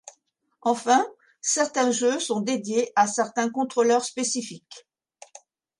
Enfin, certains jeux sont dédiés à certains contrôleurs spécifiques.